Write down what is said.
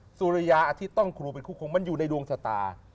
อ่าสุริยาที่ต้องครูเป็นคู่คงมันอยู่ในดวงชะตา